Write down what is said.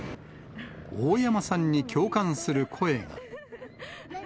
大山さんに共感する声が。